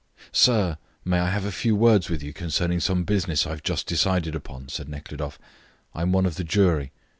"Sir, may I have a few words with you concerning some business I have just decided upon?" said Nekhludoff. "I am one of the jury."